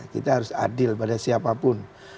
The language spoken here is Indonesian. kita harus adil pada siapapun